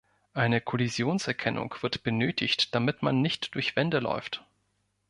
Eine Kollisionserkennung wird benötigt, damit man nicht durch Wände läuft.